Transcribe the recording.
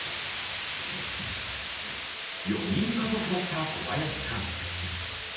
４人家族だった小林さん。